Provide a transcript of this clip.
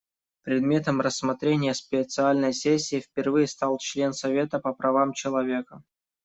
Предметом рассмотрения специальной сессии впервые стал член Совета по правам человека.